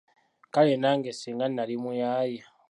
Kale nange singa nali muyaaye.